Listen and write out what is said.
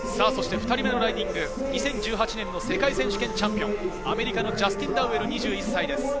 ２０１８年の世界選手権チャンピオン、アメリカのジャスティン・ダウエル、２１歳です。